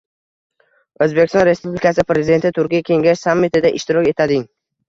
O‘zbekiston Respublikasi Prezidenti Turkiy kengash sammitida ishtirok etading